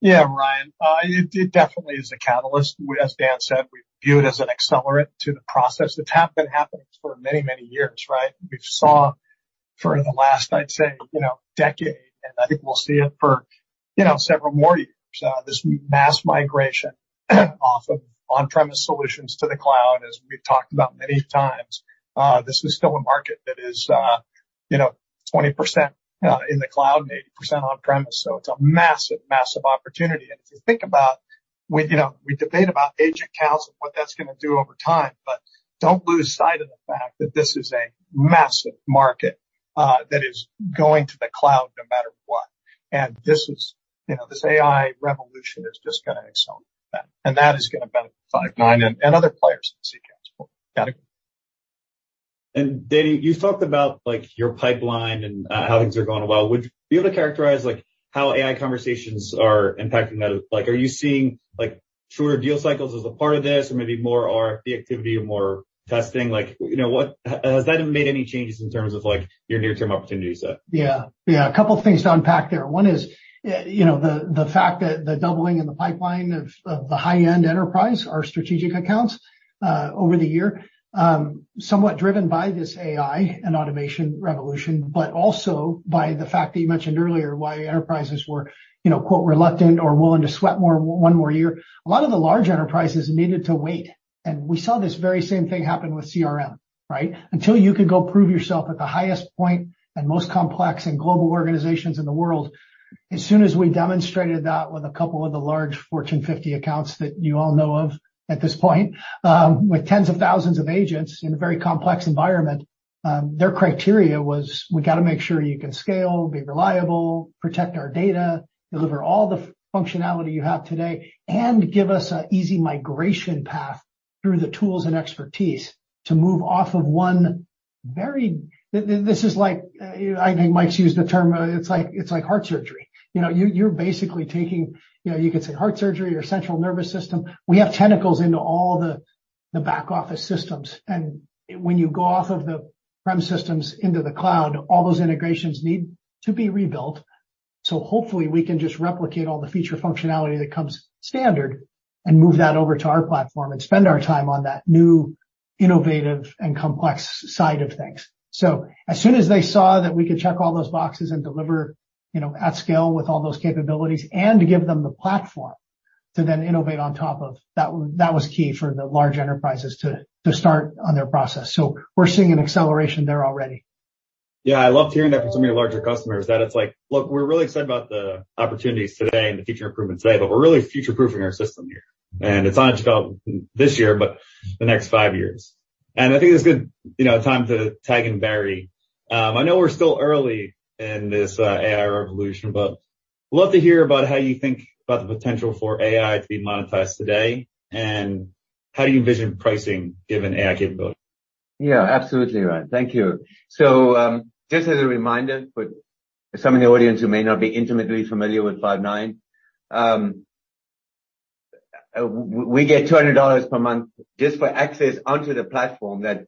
Ryan, it definitely is a catalyst. As Dan said, we view it as an accelerant to the process. It's happening for many, many years, right? We've saw for the last, I'd say, you know, decade, and I think we'll see it for, you know, several more years, this mass migration off of on-premise solutions to the cloud. As we've talked about many times, this is still a market that is, you know, 20% in the cloud and 80% on-premise, so it's a massive opportunity. If you think about... We, you know, we debate about agent counts and what that's gonna do over time, but don't lose sight of the fact that this is a massive market that is going to the cloud no matter what. This is, you know, this AI revolution is just gonna accelerate, and that is gonna benefit Five9 and other players in CCaaS. Got it. Dan, you talked about, like, your pipeline and how things are going well. Would you be able to characterize, like, how AI conversations are impacting that? Like, are you seeing, like, shorter deal cycles as a part of this, or maybe more RFP activity or more testing? Like, you know, what has that made any changes in terms of, like, your near-term opportunity set? Yeah, a couple of things to unpack there. One is, you know, the fact that the doubling in the pipeline of the high-end enterprise, our strategic accounts, over the year, somewhat driven by this AI and automation revolution, but also by the fact that you mentioned earlier, why enterprises were, you know, quote, "reluctant or willing to sweat more one more year." A lot of the large enterprises needed to wait. We saw this very same thing happen with CRM, right? Until you could go prove yourself at the highest point and most complex and global organizations in the world. We demonstrated that with a couple of the large Fortune 50 accounts that you all know of at this point, with tens of thousands of agents in a very complex environment, their criteria was, we got to make sure you can scale, be reliable, protect our data, deliver all the functionality you have today, and give us an easy migration path through the tools and expertise to move off of one very. This is like, I think Mike's used the term, it's like heart surgery. You know, you're basically taking, you know, you could say heart surgery or central nervous system. We have tentacles into all the back office systems, and when you go off of the prem systems into the cloud, all those integrations need to be rebuilt. Hopefully, we can just replicate all the feature functionality that comes standard and move that over to our platform and spend our time on that new, innovative, and complex side of things. As soon as they saw that we could check all those boxes and deliver, you know, at scale with all those capabilities, and to give them the platform to then innovate on top of, that was key for the large enterprises to start on their process. We're seeing an acceleration there already. Yeah, I loved hearing that from so many larger customers, that it's like: Look, we're really excited about the opportunities today and the future improvements today, but we're really future-proofing our system here, and it's not just about this year, but the next five years. I think it's a good, you know, time to tag in Barry. I know we're still early in this AI revolution, but love to hear about how you think about the potential for AI to be monetized today, and how do you envision pricing given AI capability? Yeah, absolutely, Ryan. Thank you. Just as a reminder, for some of the audience who may not be intimately familiar with Five9, we get $200 per month just for access onto the platform that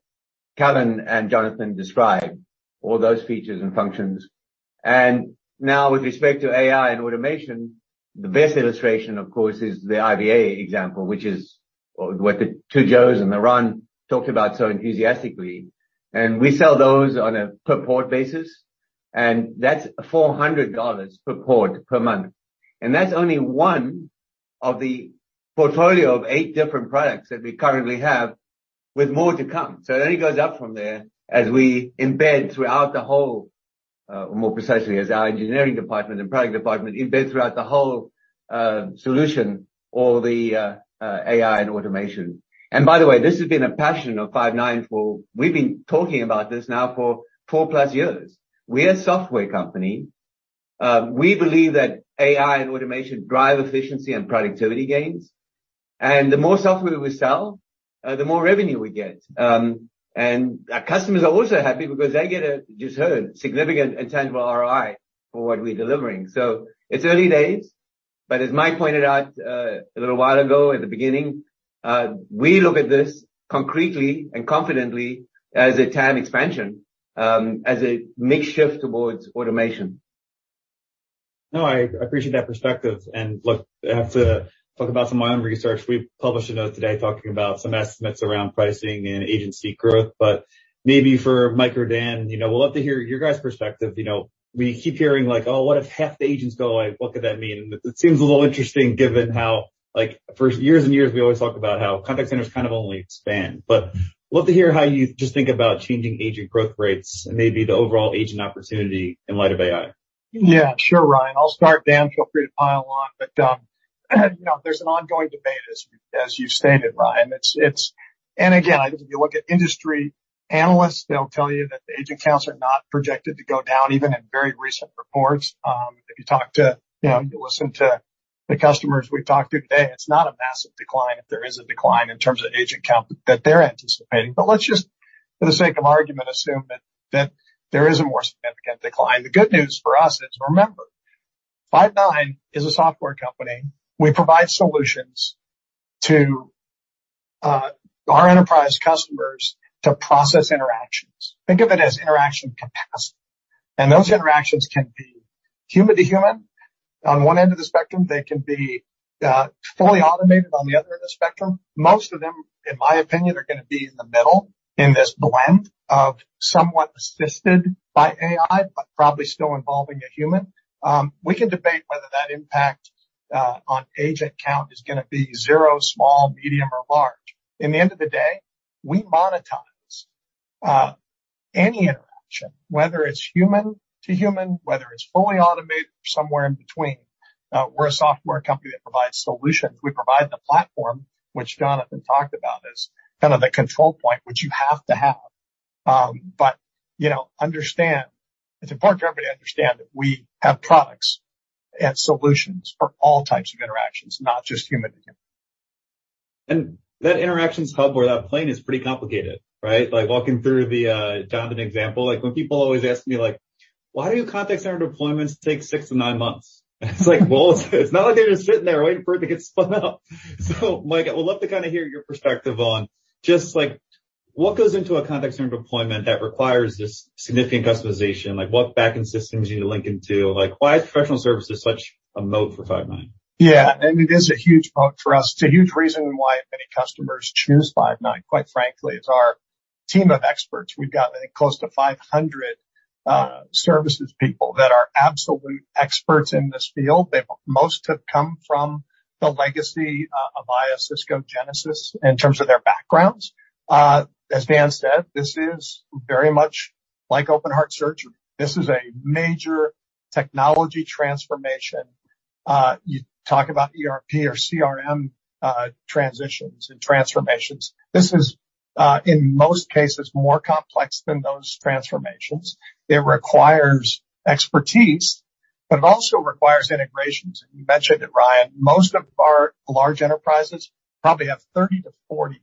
Calvin and Jonathan described, all those features and functions. With respect to AI and automation, the best illustration, of course, is the IVA example, which is, or what the two Joes and then Ryan talked about so enthusiastically. We sell those on a per-port basis, and that's $400 per port, per month. That's only one of the portfolio of eight different products that we currently have, with more to come. It only goes up from there as we embed throughout the whole-... more precisely, as our engineering department and product department embed throughout the whole solution, all the AI and automation. By the way, this has been a passion of Five9 for... We've been talking about this now for 4+ years. We're a software company. We believe that AI and automation drive efficiency and productivity gains, and the more software we sell, the more revenue we get. Our customers are also happy because they get a, you just heard, significant and tangible ROI for what we're delivering. It's early days, but as Mike pointed out, a little while ago at the beginning, we look at this concretely and confidently as a TAM expansion, as a mix shift towards automation. I appreciate that perspective. Look, I have to talk about some of my own research. We published a note today talking about some estimates around pricing and agency growth, maybe for Mike or Dan, you know, we'd love to hear your guys' perspective. You know, we keep hearing like, "Oh, what if half the agents go away? What could that mean?" It seems a little interesting given how, like, for years and years, we always talk about how contact centers kind of only expand. Love to hear how you just think about changing agent growth rates and maybe the overall agent opportunity in light of AI. Yeah, sure, Ryan. I'll start, Dan, feel free to pile on. you know, there's an ongoing debate as you stated, Ryan. It's If you look at industry analysts, they'll tell you that the agent counts are not projected to go down, even in very recent reports. If you talk to, you know, you listen to the customers we've talked to today, it's not a massive decline if there is a decline in terms of agent count that they're anticipating. Let's just, for the sake of argument, assume that there is a more significant decline. The good news for us is, remember, Five9 is a software company. We provide solutions to our enterprise customers to process interactions. Think of it as interaction capacity, and those interactions can be human to human on one end of the spectrum. They can be fully automated on the other end of the spectrum. Most of them, in my opinion, are gonna be in the middle, in this blend of somewhat assisted by AI, but probably still involving a human. We can debate whether that impact on agent count is gonna be zero, small, medium, or large. In the end of the day, we monetize any interaction, whether it's human to human, whether it's fully automated or somewhere in between. We're a software company that provides solutions. We provide the platform, which Jonathan talked about, as kind of the control point, which you have to have. You know, it's important for everybody to understand that we have products and solutions for all types of interactions, not just human to human. That interactions hub or that plane is pretty complicated, right? Like, walking through the Jonathan example, like, when people always ask me, like: "Why do contact center deployments take six to nine months?" It's like, well, it's not like they're just sitting there waiting for it to get spun out. Mike, I would love to kinda hear your perspective on just, like, what goes into a contact center deployment that requires this significant customization. Like, what backend systems you need to link into? Like, why is professional services such a moat for Five9? I mean, it is a huge moat for us. It's a huge reason why many customers choose Five9, quite frankly, is our team of experts. We've got, I think, close to 500 services people that are absolute experts in this field. Most have come from the legacy of Avaya, Cisco, Genesys in terms of their backgrounds. As Dan said, this is very much like open heart surgery. This is a major technology transformation. You talk about ERP or CRM transitions and transformations. This is in most cases, more complex than those transformations. It requires expertise, but it also requires integrations. You mentioned it, Ryan, most of our large enterprises probably have 30-40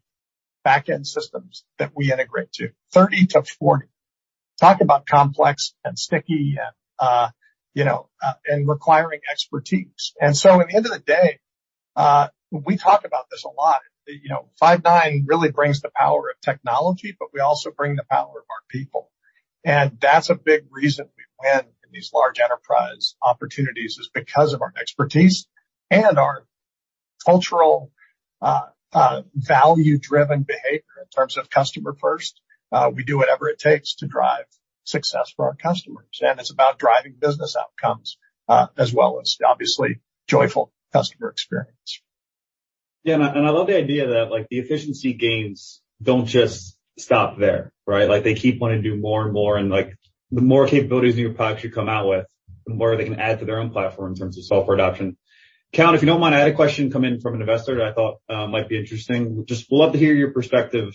backend systems that we integrate to. 30-40. Talk about complex and sticky and, you know, and requiring expertise. At the end of the day, we talk about this a lot, you know, Five9 really brings the power of technology, but we also bring the power of our people. That's a big reason we win in these large enterprise opportunities, is because of our expertise and our cultural, value-driven behavior in terms of customer first. We do whatever it takes to drive success for our customers, and it's about driving business outcomes, as well as obviously joyful customer experience. I love the idea that, like, the efficiency gains don't just stop there, right? They keep wanting to do more and more, and like, the more capabilities new products you come out with, the more they can add to their own platform in terms of software adoption. Count, if you don't mind, I had a question come in from an investor that I thought might be interesting. Just would love to hear your perspective,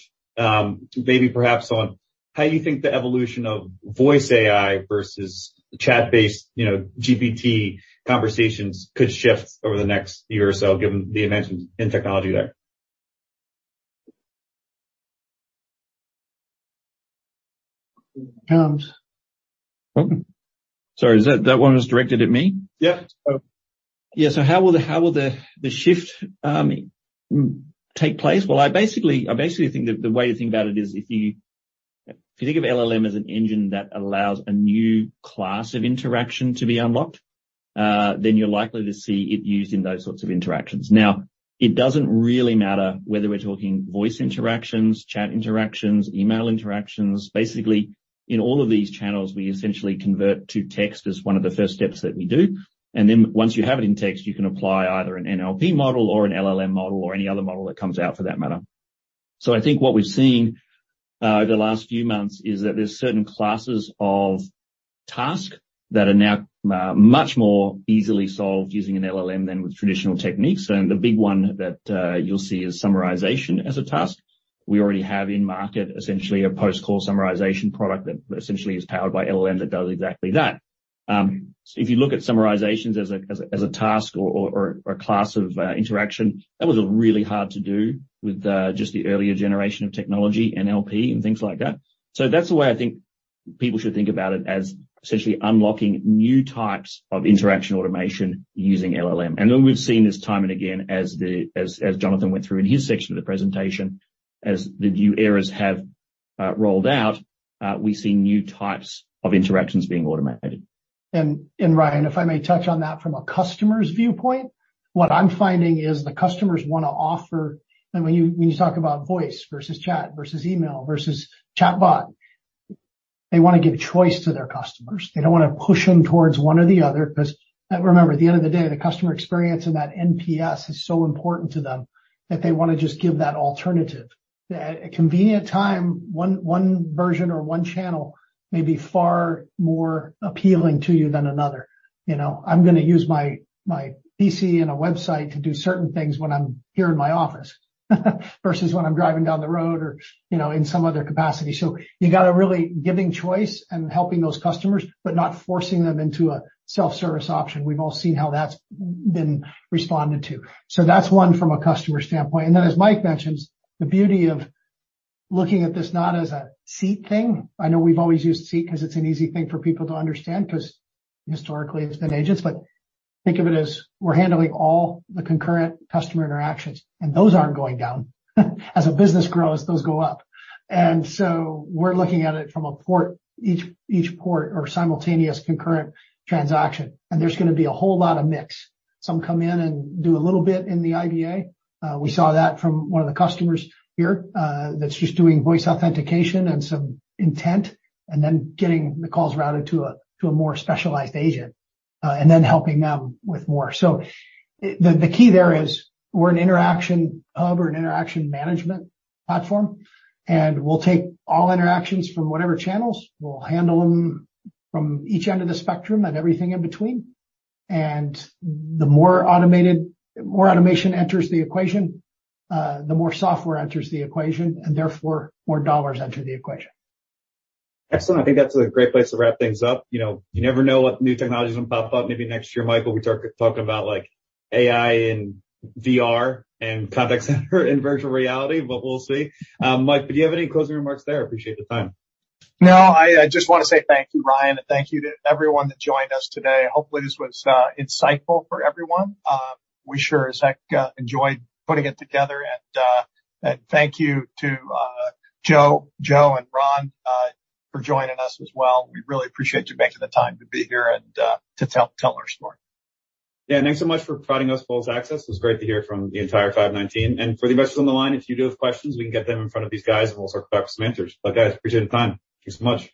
maybe perhaps on how you think the evolution of voice AI versus chat-based, you know, GPT conversations could shift over the next year or so, given the advances in technology there? Count? Sorry, is that one was directed at me? Yeah. Yeah. How will the shift take place? Well, I basically think that the way to think about it is if you think of LLM as an engine that allows a new class of interaction to be unlocked, then you're likely to see it used in those sorts of interactions. Now, it doesn't really matter whether we're talking voice interactions, chat interactions, email interactions. Basically, in all of these channels, we essentially convert to text as one of the first steps that we do, and then once you have it in text, you can apply either an NLP model or an LLM model or any other model that comes out for that matter.... I think what we've seen over the last few months is that there's certain classes of tasks that are now much more easily solved using an LLM than with traditional techniques. The big one that you'll see is summarization as a task. We already have in market, essentially a post-call summarization product that essentially is powered by LLM that does exactly that. If you look at summarizations as a task or a class of interaction, that was really hard to do with just the earlier generation of technology, NLP, and things like that. That's the way I think people should think about it, as essentially unlocking new types of interaction automation using LLM. Then we've seen this time and again, as Jonathan went through in his section of the presentation, as the new eras have rolled out, we've seen new types of interactions being automated. Ryan, if I may touch on that from a customer's viewpoint, what I'm finding is the customers wanna offer. When you talk about voice versus chat, versus email, versus chatbot, they wanna give choice to their customers. They don't wanna push them towards one or the other, 'cause, remember, at the end of the day, the customer experience and that NPS is so important to them that they wanna just give that alternative. At a convenient time, one version or one channel may be far more appealing to you than another. You know, I'm gonna use my PC and a website to do certain things when I'm here in my office, versus when I'm driving down the road or, you know, in some other capacity. You got to really giving choice and helping those customers, but not forcing them into a self-service option. We've all seen how that's been responded to. That's one from a customer standpoint. Then, as Mike mentioned, the beauty of looking at this not as a seat thing. I know we've always used seat 'cause it's an easy thing for people to understand, 'cause historically it's been agents. But think of it as we're handling all the concurrent customer interactions, and those aren't going down. As a business grows, those go up. We're looking at it from a port, each port or simultaneous concurrent transaction, and there's gonna be a whole lot of mix. Some come in and do a little bit in the IVA. We saw that from one of the customers here, that's just doing voice authentication and some intent, and then getting the calls routed to a, to a more specialized agent, and then helping them with more. The key there is we're an interaction hub or an interaction management platform, and we'll take all interactions from whatever channels, we'll handle them from each end of the spectrum and everything in between. The more automation enters the equation, the more software enters the equation, and therefore more dollars enter the equation. Excellent. I think that's a great place to wrap things up. You know, you never know what new technology is gonna pop up. Maybe next year, Mike, will be talking about like AI and VR and contact center and virtual reality, but we'll see. Mike, do you have any closing remarks there? I appreciate the time. No, I just wanna say thank you, Ryan, and thank you to everyone that joined us today. Hopefully, this was insightful for everyone. We sure as heck enjoyed putting it together. Thank you to Joe and Ron for joining us as well. We really appreciate you making the time to be here and to tell our story. Yeah, thanks so much for providing us full access. It was great to hear from the entire Five9 team. For the investors on the line, if you do have questions, we can get them in front of these guys, and we'll start to connect some answers. Guys, appreciate the time. Thanks so much.